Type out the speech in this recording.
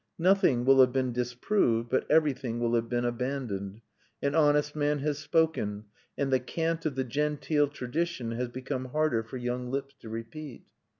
Nothing will have been disproved, but everything will have been abandoned. An honest man has spoken, and the cant of the genteel tradition has become harder for young lips to repeat.